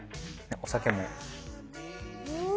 お酒も。